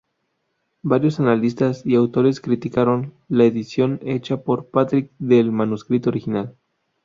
Varios analistas y autores criticaron la edición hecha por Patrick del manuscrito original.